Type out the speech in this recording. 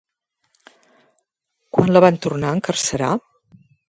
Quan la van tornar a encarcerar?